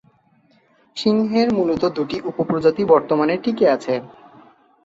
সিংহের মূলত দুটি উপপ্রজাতি বর্তমানে টিকে আছে।